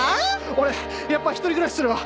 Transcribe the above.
俺やっぱ一人暮らしするわ。